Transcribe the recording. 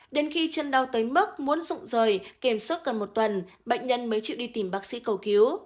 đến khi chân đau tới mức muốn rụng rời kềm sức cần một tuần bệnh nhân mới chịu đi tìm bác sĩ cầu cứu